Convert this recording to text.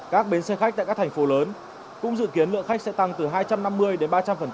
các bến xe khách tại các thành phố lớn cũng dự kiến lượng khách sẽ tăng từ hai trăm năm mươi đến ba trăm linh